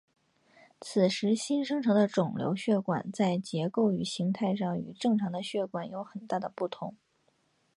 此时新生成的肿瘤血管在结构与形态上与正常的血管有很大的不同。